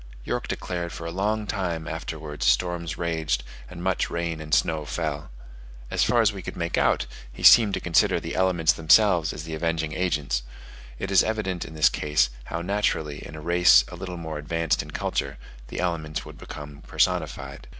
York declared for a long time afterwards storms raged, and much rain and snow fell. As far as we could make out, he seemed to consider the elements themselves as the avenging agents: it is evident in this case, how naturally, in a race a little more advanced in culture, the elements would become personified.